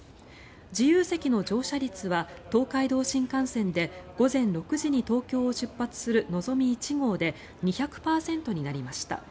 自由席の乗車率は東海道新幹線で午前６時に東京を出発するのぞみ１号で２００％になりました。